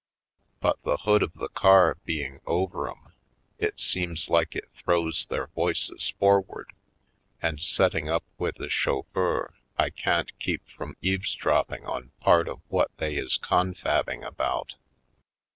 But the hood of the car being over 'em it seems like it throws their voices forward, and setting up with the chauffeur I can't keep from eavesdropping on part of what they is confabbing about.